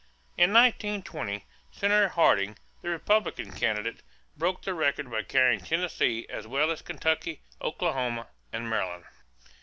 In 1920, Senator Harding, the Republican candidate, broke the record by carrying Tennessee as well as Kentucky, Oklahoma, and Maryland.